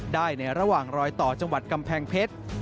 ได้ในระหว่างรอยต่อจังหวัดกำแพงเพชร